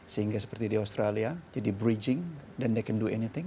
sehingga seperti di australia jadi bridging dan mereka bisa melakukan apa saja